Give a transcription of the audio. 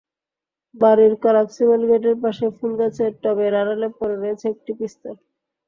বাড়ির কলাপসিবল গেটের পাশে ফুলগাছের টবের আড়ালে পড়ে রয়েছে একটি পিস্তল।